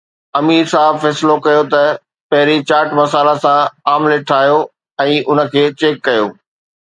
امير صاحب فيصلو ڪيو ته پهرين چاٽ مسالا سان آمليٽ ٺاهيو ۽ ان کي چيڪ ڪيو